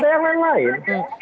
ada yang main main